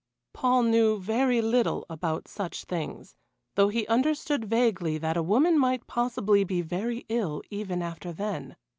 Paul knew very little about such things, though he understood vaguely that a woman might possibly be very ill even after then.